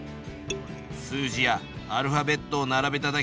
数字やアルファベットを並べただけのパスワード。